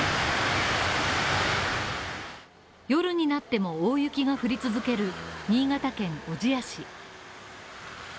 夜になっても大雪が降り続ける新潟県小千谷市。